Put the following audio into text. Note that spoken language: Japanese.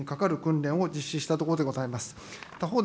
射撃にかかる訓練を実施したところでございます。